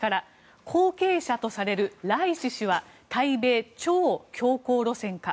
後継者とされるライシ師は対米超強硬路線か。